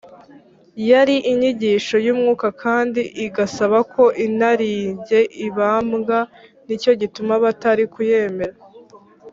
yari inyigisho y’umwuka kandi igasaba ko inarijye ibambwa, nicyo gituma batari kuyemera